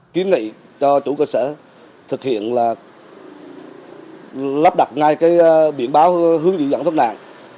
kiến nghị cho chủ cơ sở thực hiện là lắp đặt ngay biển báo hướng dẫn thoát nạn